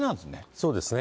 そうですね。